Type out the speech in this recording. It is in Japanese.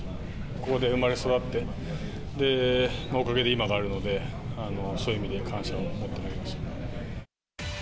ここで生まれ育って、おかげで今があるので、そういう意味で感謝を持って投げました。